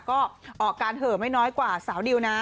ก็ออกการเหอะไม่น้อยกว่าสาวดิวนะ